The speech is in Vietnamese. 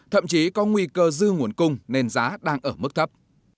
thậm chí có nguy cơ dư nguồn cung nên giá đang ở mức thấp